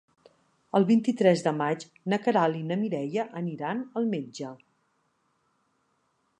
El vint-i-tres de maig na Queralt i na Mireia aniran al metge.